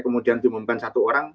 kemudian diumumkan satu orang